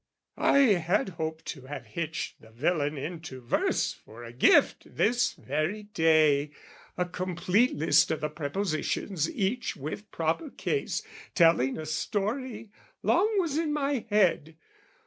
I had hoped to have hitched the villain into verse For a gift, this very day, a complete list O' the prepositions each with proper case, Telling a story, long was in my head.